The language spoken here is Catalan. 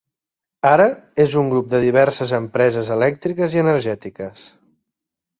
Ara és un grup de diverses empreses elèctriques i energètiques.